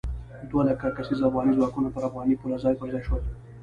دوه لک کسیز افغاني ځواکونه پر افغاني پوله ځای پر ځای شول.